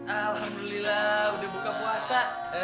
alhamdulillah udah buka puasa